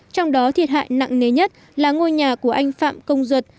trong đó thiệt hại nặng nề nhất là ngôi nhà của anh phạm công duật